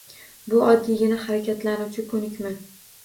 Bu oddiygina harakatlantiruvchi ko‘nikma